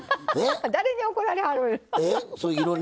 誰に怒られはるん？